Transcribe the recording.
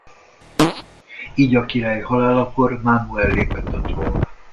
Így a király halálakor Mánuel lépett a trónra.